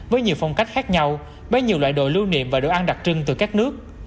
với nhiều phong cách khác nhau với nhiều loại đồ lưu niệm và đồ ăn đặc trưng từ các nước